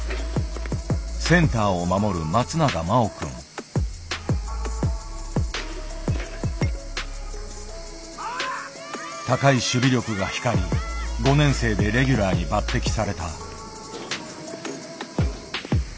センターを守る高い守備力が光り５年生でレギュラーに抜てきされた。